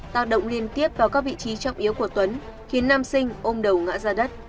tạo động liên tiếp vào các vị trí trọng yếu của tuấn khiến nam sinh ôm đầu ngã ra đất